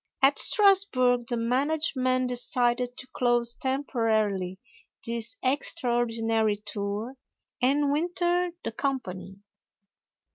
At Strasburg the management decided to close temporarily this extraordinary tour and winter the company.